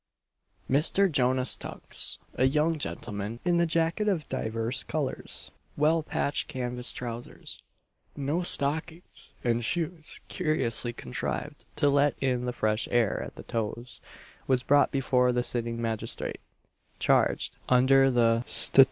Mr. Jonas Tunks, a young gentleman in a jacket of divers colours, well patched canvas trowsers, no stockings, and shoes curiously contrived to let in the fresh air at the toes, was brought before the sitting magistrate, charged, under the Stat.